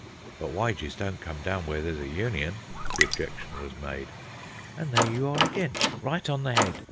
"But wyges don't come down where there's a union," the objection was made. "And there you are again, right on the head.